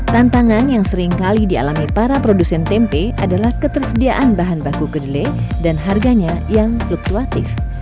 tantangan yang seringkali dialami para produsen tempe adalah ketersediaan bahan baku kedele dan harganya yang fluktuatif